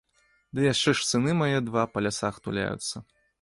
Ды яшчэ ж сыны мае два па лясах туляюцца.